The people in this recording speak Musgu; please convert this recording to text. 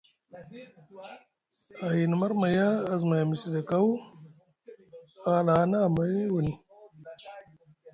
Ahini marmaya azumay a Misde kaw a hala ana amay woni.